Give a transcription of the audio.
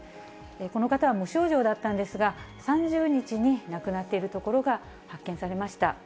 この方は無症状だったんですが、３０日に亡くなっているところが発見されました。